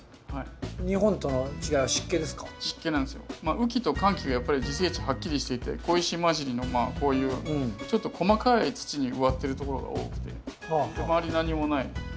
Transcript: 雨季と乾季がやっぱり自生地はっきりしていて小石まじりのこういうちょっと細かい土に植わってるところが多くて周り何もない。